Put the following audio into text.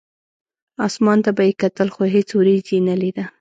اسمان ته به یې کتل، خو هېڅ ورېځ یې نه لیده.